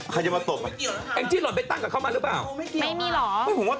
แอ๊ะจิ๊ดหล่อไปตั้งกับเขามาหรือเปล่า